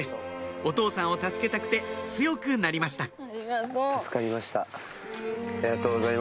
お父さんを助けたくて強くなりましたありがとう。